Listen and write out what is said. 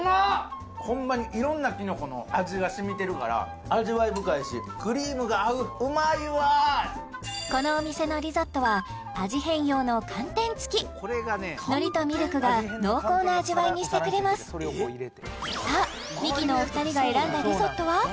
ホンマにいろんなきのこの味が染みてるから味わい深いしクリームが合ううまいわこのお店のリゾットは味変用の寒天つき海苔とミルクが濃厚な味わいにしてくれますさあミキのお二人が選んだリゾットは？